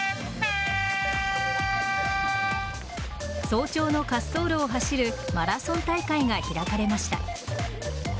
早朝の滑走路を走るマラソン大会が開かれました。